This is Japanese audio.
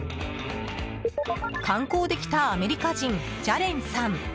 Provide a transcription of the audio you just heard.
観光で来たアメリカ人ジャレンさん。